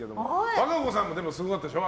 和歌子さんもすごかったでしょ？